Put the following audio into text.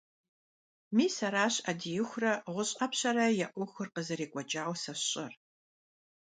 Мис аращ Ӏэдиихурэ ГъущӀ Ӏэпщэрэ я Ӏуэхур къызэрекӀуэкӀауэ сэ сщӀэр.